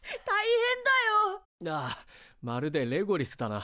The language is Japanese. ああまるでレゴリスだな。